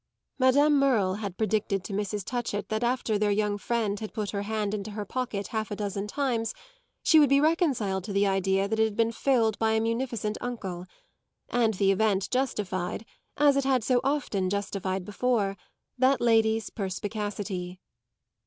Madame Merle had predicted to Mrs. Touchett that after their young friend had put her hand into her pocket half a dozen times she would be reconciled to the idea that it had been filled by a munificent uncle; and the event justified, as it had so often justified before, that lady's perspicacity.